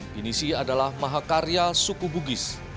pinisi adalah mahakarya suku bugis